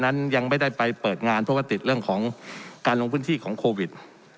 นั้นยังไม่ได้ไปเปิดงานเพราะว่าติดเรื่องของการลงพื้นที่ของโควิด